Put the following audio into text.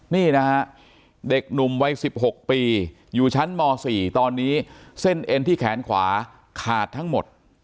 นี่นะฮะเด็กหนุ่มวัย๑๖ปีอยู่ชั้นม๔ตอนนี้เส้นเอ็นที่แขนขวาขาดทั้งหมด